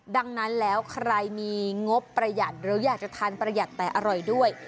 ดังนั้นแล้วใครมีงบประหยัดหรืออยากจะทานประหยัดแต่อร่อยด้วย